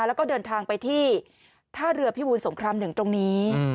แล้วก็เดินทางไปที่ท่าเรือพิบูลสงคราม๑ตรงนี้